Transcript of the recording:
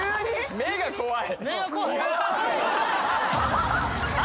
目が怖い